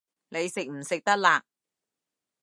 你食唔食得辣